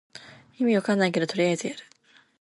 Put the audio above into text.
意味わかんないけどとりあえずやる